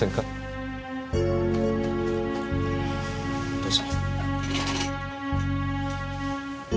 どうぞ。